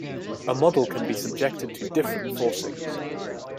A model can be subjected to different forcings.